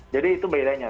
jadi itu bedanya